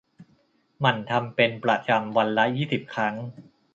หมั่นทำเป็นประจำวันละ ยี่สิบ ครั้ง